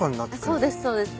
あっそうですそうです。